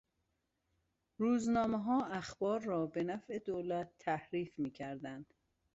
روزنامهها اخبار را به نفع دولت تحریف میکردند.